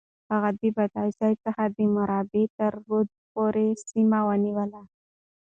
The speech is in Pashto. هغه د بادغيس څخه د مرغاب تر رود پورې سيمې ونيولې.